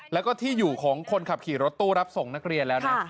แล้วก็ที่อยู่ของคนขับขี่รถตู้รับส่งนักเรียนแล้วนะ